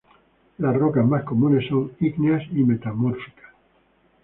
Las rocas más comunes son ígneas y metamórficas.